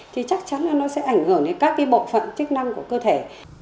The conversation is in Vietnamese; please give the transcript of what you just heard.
thì chắc chắn là nó sẽ ảnh hưởng đến các cái bộ phận chức năng của cơ thể